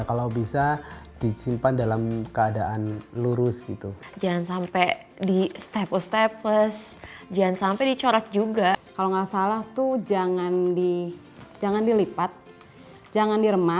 sampai jumpa di video selanjutnya